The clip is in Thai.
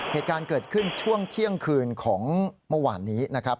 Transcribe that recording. เหตุการณ์เกิดขึ้นช่วงเที่ยงคืนของเมื่อวานนี้นะครับ